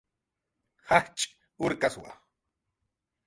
Jajch' urkaswa